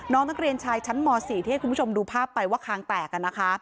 น้องนักเรียนชายชั้นม๔ที่ให้คุณผู้ชมดูภาพไปว่าคางแตกนะคะ